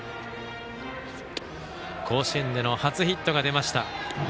甲子園での初ヒットが出ました。